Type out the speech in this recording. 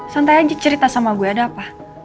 santai aja cerita sama gue ada apa